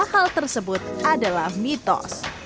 hal tersebut adalah mitos